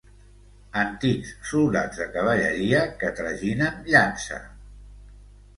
Antics soldats de cavalleria que traginen llança.